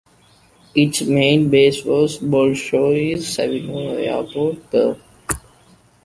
Its main base was Bolshoye Savino Airport, Perm.